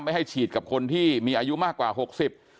ไม่ให้ฉีดกับคนที่มีอายุมากกว่า๖๐ปี